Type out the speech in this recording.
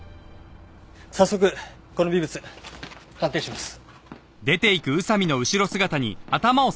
早速この微物鑑定します。